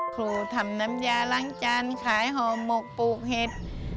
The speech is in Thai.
ครูทำน้ำยาล้างจานขายห่อหมกปลูกเห็ด